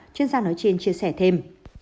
chuyên gia nói trên chia sẻ thêm